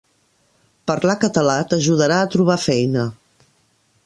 Parlar català t'ajudarà a trobar feina.